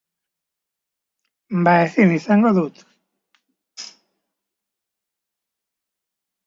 Azken eguna izango da gure lehiaketan parte hartzeko.